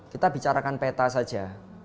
kita bicarakan peta saja